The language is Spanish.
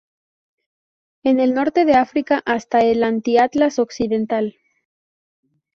En el norte de África hasta el Anti-Atlas occidental.